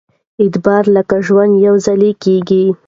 اعتبار لکه ژوند يوځل کېږي